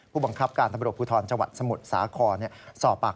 เพราะว่ากลัวยุงกัด